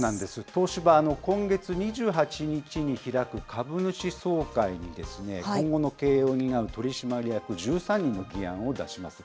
東芝、今月２８日に開く株主総会に、今後の経営を担う取締役１３人の議案を出します。